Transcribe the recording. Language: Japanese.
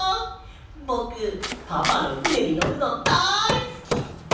ぼくパパのふねにのるのだいすき！